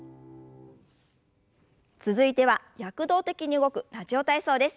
続いては躍動的に動く「ラジオ体操」です。